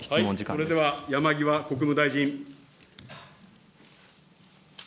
それでは山際国務大臣。